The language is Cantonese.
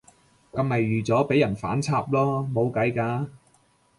噉咪預咗畀人反插囉，冇計㗎